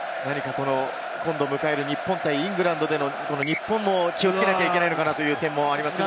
今度迎える日本対イングランドでの日本も気をつけなきゃいけないのかなという点もありますね。